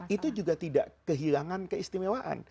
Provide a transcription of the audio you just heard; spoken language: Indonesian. itu juga tidak kehilangan keistimewaan